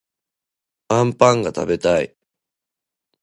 あんぱんがたべたい